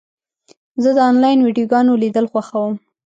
زه د انلاین ویډیوګانو لیدل خوښوم.